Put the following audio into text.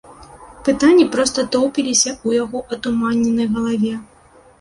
Пытанні проста тоўпіліся ў яго атуманенай галаве.